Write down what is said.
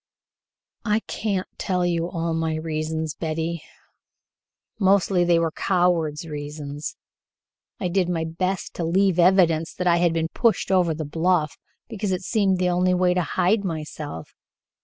"I can't tell you all my reasons, Betty; mostly they were coward's reasons. I did my best to leave evidence that I had been pushed over the bluff, because it seemed the only way to hide myself.